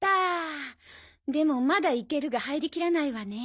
でも「まだイケル」が入りきらないわね。